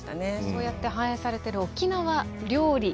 そうやって反映されてる沖縄料理